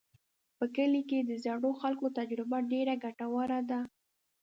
په کلي کې د زړو خلکو تجربه ډېره ګټوره ده.